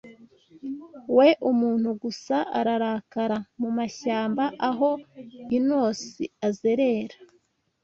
we umuntu gusa ararakara mumashyamba Aho Uons azerera